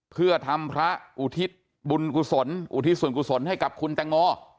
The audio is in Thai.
เพื่อทำพระอุทิศภูมิส่วนกุศลให้กับคุณแตงอ